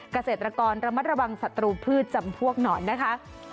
เกษตรกรระมัดระวังศัตรูพืชจำพวกหนอนนะคะ